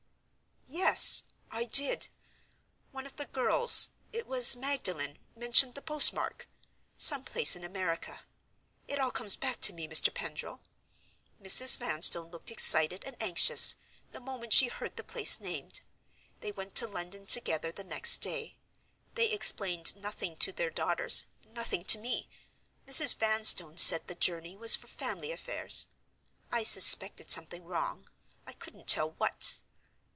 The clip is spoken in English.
"Yes: I did. One of the girls—it was Magdalen—mentioned the post mark; some place in America. It all comes back to me, Mr. Pendril. Mrs. Vanstone looked excited and anxious, the moment she heard the place named. They went to London together the next day; they explained nothing to their daughters, nothing to me. Mrs. Vanstone said the journey was for family affairs. I suspected something wrong; I couldn't tell what.